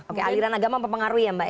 oke aliran agama mempengaruhi ya mbak ya